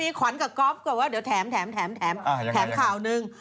มีขวัญกับก๊อฟก่อนว่าเดี๋ยวแถมข่าวหนึ่ง